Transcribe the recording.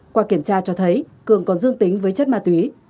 qua kiểm tra cho thấy cường còn dương tính với chất ma túy